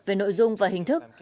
về nội dung và hình thức